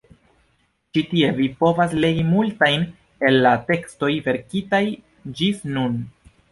Ĉi tie vi povas legi multajn el la tekstoj verkitaj ĝis nun.